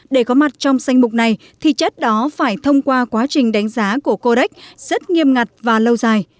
để có mặt trong danh mục này thì chất đó phải thông qua quá trình đánh giá của codec rất nghiêm ngặt và lâu dài